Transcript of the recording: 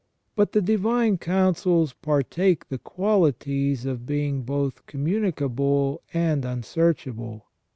But the divine counsels partake the qualities of being both communicable and unsearchable.